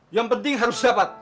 yang penting harus dapat